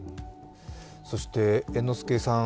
そして、猿之助さん